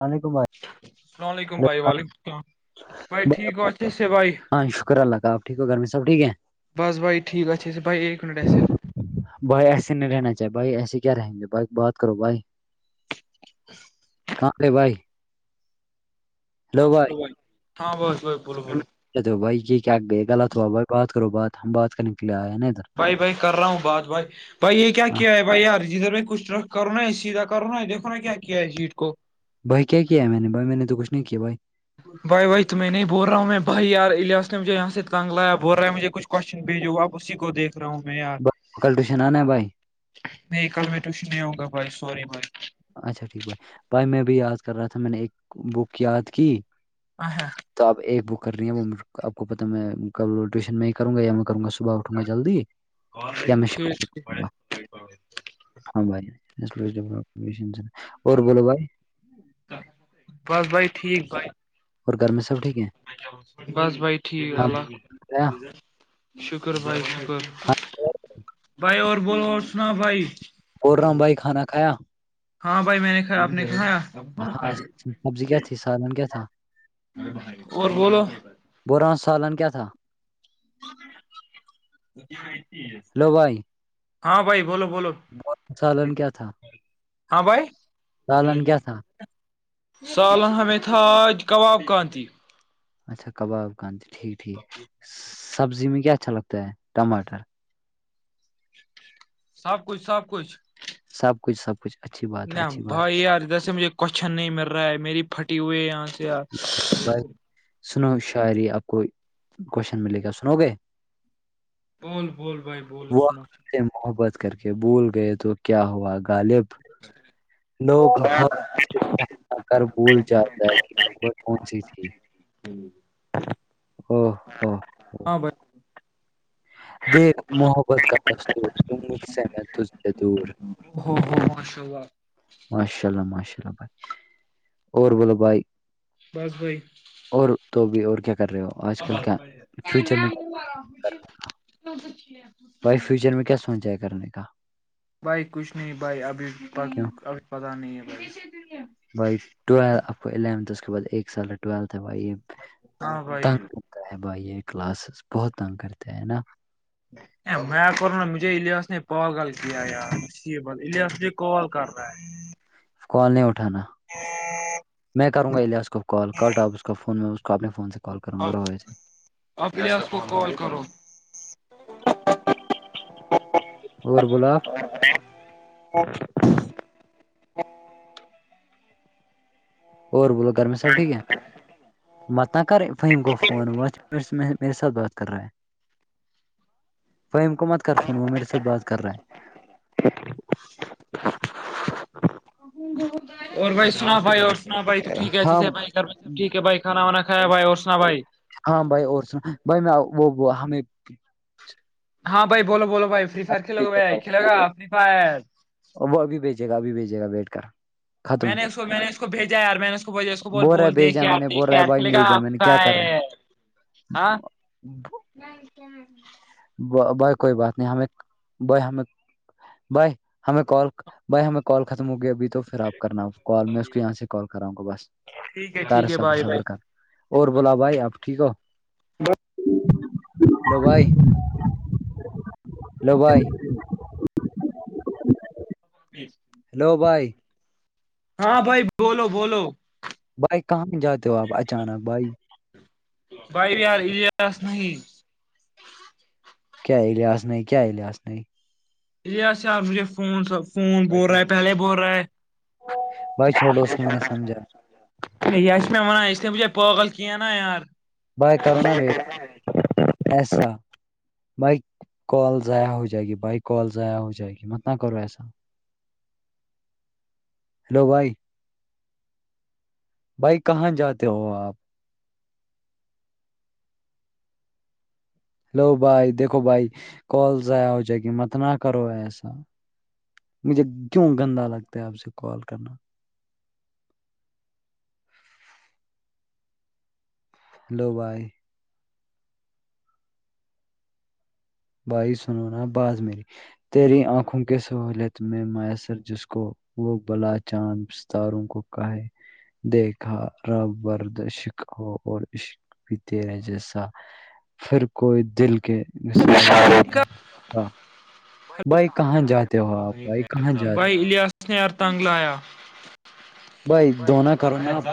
وعلیکم السلام علیکم بھائی وعلیکم السلام بھائی ٹھیک ہو اچھے سے بھائی ہاں شکر اللہ کا آپ ٹھیک ہو گرمی سب ٹھیک ہے بس بائی ٹیک ہےاے بائی ایک منٹ ہےس بھائی ایسے نہیں رہنا چاہے بھائی ایسے کیا رہیں گے بھائی بات کرو بھائی [inaudible] کہاںالے بھائی ہاں بو بھائی ہاں بس بائی ہو بھائی یہ کیا لط ہوا بھائی بات کرو بات ہم بات کرنے کے لیے آئے ہیں نا ادھر بائی بائی کر رہا ہوں بات بھائی بھائی یہ ہاں کیا ہے بھائی یار جدھر میں کچھ کرونا ہے سیدھا کرونا ہے دیکھو نا کیا ہے جیٹ کو بھائی کیا ہے میں نے بھائی میں نے تو کچھ نہیں کیا بھائی بھائی بھائی ت میں نہیں بول رہا ہوں میں بھائییار الاس نے مجھے یہاں سے تانگ لایا بول رہا مجے کچھ کوشچن بھیجو آپ اسی کو دیک رہا ہوں میں یار بھائی کل ٹیوشن آنا ہے بھائی نہیں کل میں ٹوش نہیں آؤں گا بھائی سوری بھائی اچھا ٹھیک بھائی بھائی میں بھی یاد کر رہا تھا میں نے ایک بک یاد کی آ ہا تو آپ ایک بک کر رہی ہیں وہ آپ کو پتتا میں کب ٹیوشن میں ہی کروں گا یا میں کروں گا صبح اٹھوں گا جلدی یا میں شکریہلہ ہ ہاں بائے اور بولو بھائی بس بھائی ٹھیک بھائی اور گھر میں سب ٹھیک ہے بس بھائی ٹھیک ہاں اللہ بھائی، ح کھایا شکر بھائی بائی کھانا کھایا؟ بھائی اور بول اور سنا بھائی کوور رام بھائی کھانا کھایا ہاں بھائی میں نے کا آپ نے کھایا ہاں سبزی کیا تھی سالن کیا تھا اور بولو بور سالن کیا تھا ہاں بھائی بولو بولو م سالن کیا تھا ہاں بھائی سالن کیا تھا سالن ہممییں تھاج کباب کانتی اچھا کباب کانتی ٹھیک ٹھیک سبزی میں کیا اچھا لگتا ہے ٹماٹر سب کچھ سب کچھ سب کچھ سب کچھ اچھی بات ہے ن اچھی بات بھائی یار جیسے مجھے کوشچن نہیں مل رہا ہے میری پھٹی ہوئے یہاں سے یار ایک بار سنو شاعری آپ کو کوشچن ملے گا سنو گے بول بول بھائی بول اس وہ سنت ہم سے محبت کر کے بھول گئے تو کیا ہوا غالب لوگ ہ کر بول جاتا ہے کہ خبر کون جی جی ا ہاں بت دیکھ محبت کرسس مجھ سے میں سے دور ہو ہو مش وق ماشاء اللہ ماشاء اللہ بھائی اور بولو بھائی بس بھائی اور تو بھی اور کیا کر رہے ہو آج کل کیا فیوچر میں کیا کرنے کا [inaudible] بھائی فیوچر میں کیا سوچا ہے کرنے کا بھائی کچھ نہیں بھائی ابھی کیوں ابھی پت نہیں ہے بھائی بھائیٹو آپ کو اونتھ اس کے بعد ایک سال ٹویلھ ہے بھائی یہ ہاں بھائی طاہ بھائی یہ کلاسز بہت تنگ کرتے ہیں نا ا میں کروں نا مجھے الیاس نے پگال کیا ہے یاری بات الیاس کال کر رہا ہے کال نہیں اٹھانا ہ میں کروں گا الیاس کو کال کرٹاپ اس فون میں اس کو اپنے فون سے کال کروں گا رو وی سے اپنے آپ کو کال کرو اورور بلاب ا اک اور بولو گرمی صاب ٹھیک ہے متہ کر فم گ فون وہت میں میرے ساتھ بات کر رہا ہے وہ ح ہمکومت کر فون وہ میرےات بات کر رہے ہیں اور بھ سنا بائی اور سنا بائی تو ہے ٹیک ہاں اچے بائی گھر ب سبٹھیک ہے بھ کھاناانایا بھائی اور سنا بھائی ہاں بھائی اور سناو بھائی میں وہ ہمیں ہاں بائی بولو بولو بھائی فری فائر کھیل گ بھیجے بائی کھیلے گا فری فائر ا وہ ابھی بھیجے گابھی بھیجے گا بیٹھ کر ختم میں نے اس کو میں نے اس کو بھیجا ار میں نے اس کو ب اس کو بول رہا ہے بول دیک بھیجا کے میں نے دھ بول رہا ہے کےار بھائی کھیے گا بھیجا میں نے کیا کر رہا کاائے [inaudible] نہیں کہ بائی کوئی بات نہیں ہمیں بائی ہمیں بھائی ہمیں کال بھائی ہمیں کال ختم ہو گیا ابھی تو پھر آپ کرنا کال میں اس کو یہاں سے کال کراؤں گا بس ٹھیک ہے کر ٹھیک ہے صبر بھائی بھائی صبر کر اور بولا بھائی آپ ٹھیک ہو ہلو بھائی لبائی [inaudible] ہیلو بھائی ہاں بھائی بولو بولو بھائی کہاں جاتے ہو آپ اچانک بھائی بائی یار ایاس نہیں کیا علاظ نہیں کیا علاظ نہیں یہ چار مجھے فون س فون بول رہا ہے پہلے بول رہا ہے بھائی چھوڑو اس کو میں نے سمجھا ہ م میں ونان ا اس لی نے بچھے پاغل کھی نایار بائے کرو نا ویٹ ایسا بائی کال ضائع ہو جائے گی بائی کال ضائع ہو جائے گی مت نہ کرو ایسا لوائی بھائی کہاں جاتے ہو آپ ہیلو بھائی دیکھو بھائی کال ضائع ہو جائے گی مت نہ کرو ایسا مجھے کیوں گندا لگتا ہے آپ سے کال کرنا لبائی بھائی سنوناا بعض میری تیری آنکھوں کے سہولت میں میسر جس کو وہ بلا چاند راروں کو کہ ہے دیکھا ر برد عشق ہو اور عشق پیتےیرے جیسا پھر کوئی دل کے سارے کو بھائی کہاں جاتے ہو آپ بھائی کہاں جاتے بھائی اللییاس نے ہرتنگ لایا بھائی دنا کرو نا آپ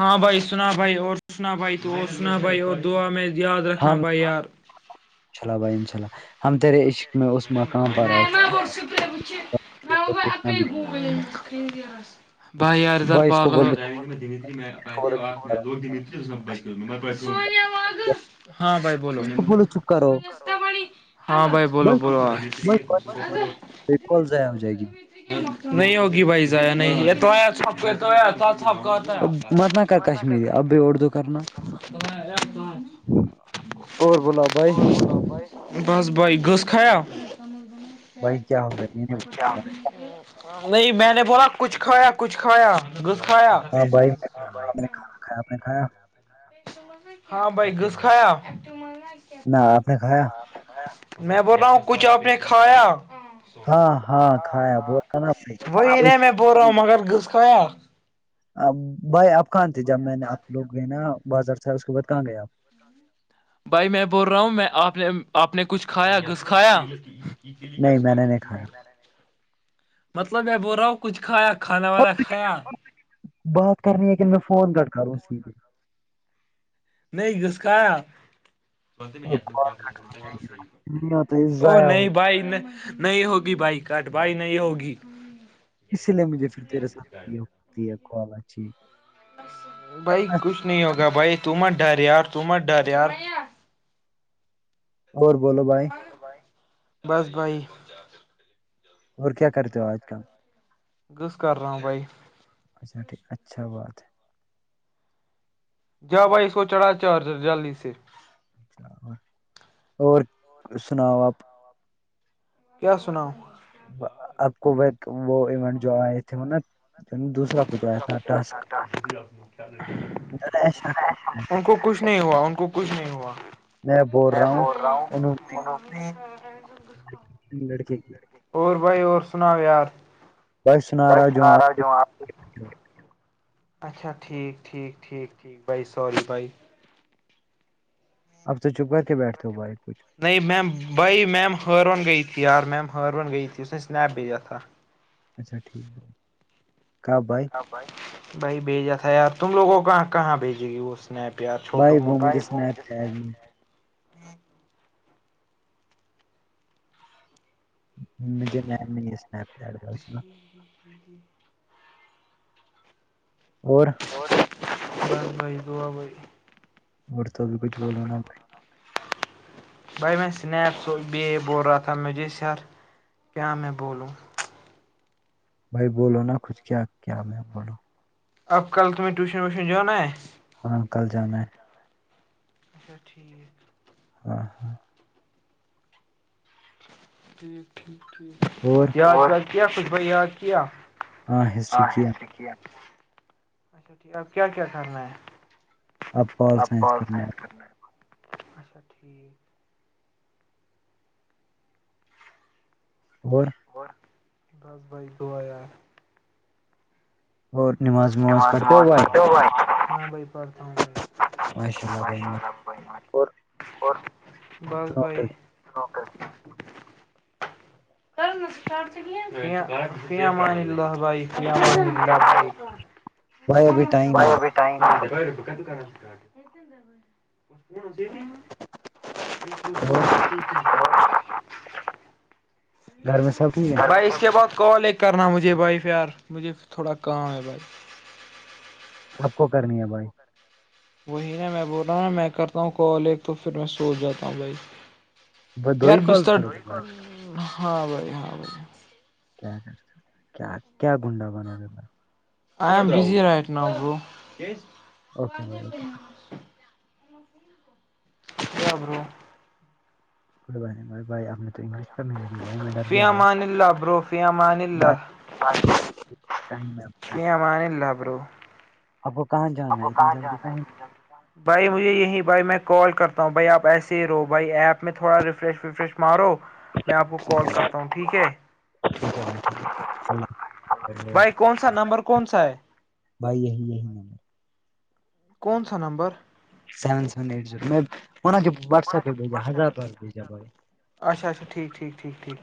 ہاں بھائی سنا بھائی اور سنا بھائی تو سنا بھائی اور دعا میں د رکھننا بہیار انا اللہ بھائی اناء اللہ ہم ترے پوچھ اک دیکھنا بھی گ گ بہ ارزار بھائی اس کو پاگل آ بولو لگ کو بولو چپ کرو کر ہاں بھائی بولو اس کو چپ کرو ہاں بھائی بولو بولو کل جائے آ ہو جائے گ نہیں ہوگی بھائی ضیا نہیں تو اب مت نہ متن کر کشمیری اب کشمی بھی اردو کرنا اردو اورور بولا بھائی بس بائی گس خیال بھائی کیا ہو گیا یہ نہیں بولا، نہیں میں نے بولا کچھ کھایا کچھ کھایا ہاں بھائی ہاں میں نے [unintelligible] کھانا کھایا پین کایا ہاں بھائی گھس کھایا نہ آپ نے کھایا میں بول رہا ہوں کچھ آپ نے کھایا ہاں ہاں کھایا بولا نا بھائی وہی نے میں بول رہا ہوں ایک- مگر گھس کھایا بھائی آپ کہاں تھے جب میں نے آپ لوگ گئے نا بازار سے اس کے بعد کہاں گئے آپ بھائی میں بول رہا ہوں میں آپ نے آپ نے کچھ کھایا گھس کھایا نہیں میں نے نہیں کھایا [unintelligible] مطلب میں ب رہاؤ [unintelligible] کچھ کھایا کھانا والا کھایا بات کرنی ہے کہ میں فون کٹ کرا رہا ہوں اسی پے نہیں گس کاایا اور کال کریں گے تو نہیں آتا وہ ضائع ہو نہیں بائی نہیں ہوگی بائی کاٹ بھائی نہیں ہوگی اسی لیے مجھے پھر تیرے ساتتی ہےچی بھائی کچھ نہیں ہوگا بھائی تمہت ڈر یار تمہت ڈر یار اورور بولو بھائی بس بھائی [unintelligible] اور کیا کرتے ہو آج کل گص کر رہ ہوں بھائی اچا ٹھ اچھا بات ہے جا بھائی اس کو چڑھا چارجر جلدی سے چا اور سناؤ آپ کیا سناؤ [unintelligible] آپ کو ب وہ ایونٹ جو آئے تھے نا جو نا دوسرا کچھ آیا تھا ٹاسک ان کو کچھ کچھ نہیں ہوا ان کو کچھ نہیں ہوا میں بول رہا ہوں ان نے لڑکے کی اور بھائی اور سنا یار بھائی رہا ہوں جو سنا آپ رہاج کو- آ اچھا ٹھیک ٹھیک ٹھیک ٹھیک بٮی سوری بٮائی [unintelligible] اب تو چھپ کر کے بیٹھتے ہو بھائی کچھ نہیں مم بھ میم ہروان گئی تھی ار مم ہروان گئی تھی اس نے اسنیپ بھی تھا اچھا کب بائی بھائی بھائی بھیجا تھا یار تم لوگوں کہاں کہاں بھیجے گی وہ [unintelligible] اپ پیار چھوٹا موٹا ہی جی مجھے میم نہیں ہے اسپڈ اس ہ [unintelligible] اور اور بس بھائی دعا بھائی اور تو بھی کچھ بولو نا بھائی بھائی میں اسنیپ س ب بول رہا تھا مھے سیر کیا میں بولوں بھائی بولو نا کچھ کیا کیا میں بولو اب کل تم ٹیوشن ویوشن جاانا ہے اور کل جانا ہے اچھا ٹھیک ہاں ہاں ٹھیک ٹھیک ٹھ اورور یا کیا کچھ بھائی یاد کیا ہاں ہ ہسٹری کی ہے کیا اچھا ٹھ اب کیا کیا کرنا ہے اب پال سائنس کرنا ہے اچھا ٹھیک اور دس بائی گوا یار اور نماز نماز پڑتے ہو بائی مبئی پتے ماشاء اللہ بھن مشلہ بس سنو بھائی پھر [inaudible] ال ابھی ٹائم ہے بھائی ف [inaudible] ج بھائی اور س گھر میں سب ٹھیک ہے بھائی اس کے بعد کال ایک کرنا مجھے بھائی پ یار مجھے تھوڑا کام ہے بھائی آب کو کرنی ہے بھائی وہی نا میں بول رہاوں نا میں کرتا ہوں کال ایک تو پھر میں سوچ جاتا ہوں بھائی بس دو یار ہی کالز بستر کرو گے بھائی ہاں بھائی ہاں بھائی کیا کرتے کیا کیا گنڈا بنو گے بھائی آ بزی رہٹ نب اوکے بائی اوکے بھائی ج برو کوئی ب نہیں بائے بائی آپ تو انگلش کرنے لگی بھائی میں ڈر فی گیا بھائی امان اللہ برو فی امان اللہ ت م ش امان اللہ برو اب وہ کہاں جان آپ کو کہاں جانا ہے بھائی مجھے یہی بھائی میں کال کرتا ہوں بھائی آپ ایسے ہی رہو بھائی ایپ میں تھوڑا ریفریش ویفریش مارو میں آپ کو کال کرتا ہوں ٹھیک ہے ٹھیک ہے بھائی ٹھیک ہے بھ اللہ حفظ بھائی کون سا نمبر کون سا ہے بھائی یہی یہی نمبر کون سا number seven seven eight zero میں کے واٹس ایپ پہ بھیجا ہزار روپئے بھیجا بھائی اچا اچا ٹیک ٹھیک ٹیک ٹھیک